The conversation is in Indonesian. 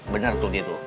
bener tuh gitu